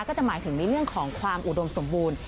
ก็จะหมายถึงในเรื่องของความอุดมสมบูรณ์